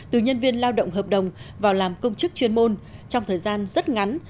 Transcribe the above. từ nhân viên lao động hợp đồng vào làm công chức chuyên môn trong thời gian rất ngắn